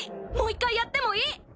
もう一回やってもいい？